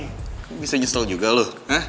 lu bisa nyesel juga lu